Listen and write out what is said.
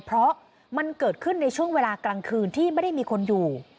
เพราะมันเกิดขึ้นในช่วงเวลากลางคืนที่ไม่ได้มีคนอยู่